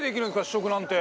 試食なんて。